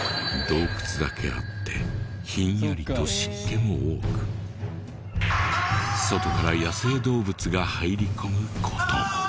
洞窟だけあってひんやりと湿気も多く外から野生動物が入り込む事も。